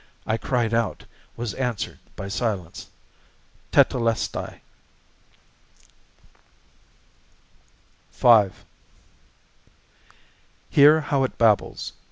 I cried out, was answered by silence.... Tetélestai!..." V Hear how it babbles!